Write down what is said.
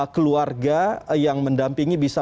keluarga yang mendampingi bisa